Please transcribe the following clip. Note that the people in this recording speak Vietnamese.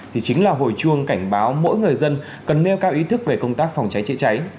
thì chính là hồi chuông cảnh báo mỗi người dân cần nêu cao ý thức về công tác phòng cháy chữa cháy